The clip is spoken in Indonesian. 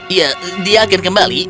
ya dia akan kembali